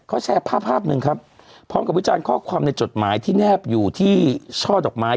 เขาแชร์ภาพภาพหนึ่งครับพร้อมกับวิจารณ์ข้อความในจดหมายที่แนบอยู่ที่ช่อดอกไม้